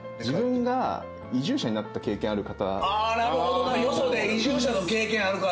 なるほどなよそで移住者の経験あるから。